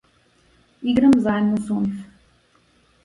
Играм заедно со нив.